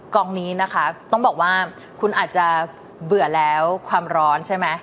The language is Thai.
กองนี้นะคะต้องบอกว่าคุณอาจจะเบื่อแล้วความร้อนใช่ไหม